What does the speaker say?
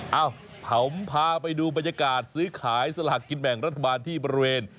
เอ้าผมพาไปดูบรรยากาศซื้อขายสลากกินแบ่งรัฐบาลที่บริเวณ